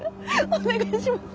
お願いします。